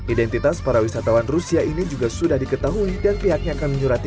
identitas para wisatawan rusia ini juga sudah diketahui dan pihaknya akan menyurati